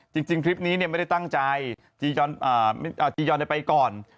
จริงทริปนี้เนี่ยไม่ได้ตั้งใจจียอนได้ไปก่อน